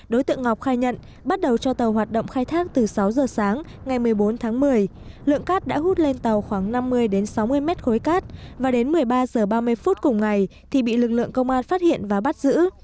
đối tượng ngọc khai nhận bắt đầu cho tàu hoạt động khai thác từ sáu giờ sáng ngày một mươi bốn tháng một mươi lượng cát đã hút lên tàu khoảng năm mươi sáu mươi mét khối cát và đến một mươi ba h ba mươi phút cùng ngày thì bị lực lượng công an phát hiện và bắt giữ